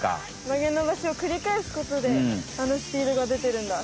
曲げ伸ばしを繰り返すことであのスピードが出てるんだ。